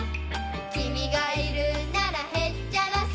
「君がいるならへっちゃらさ」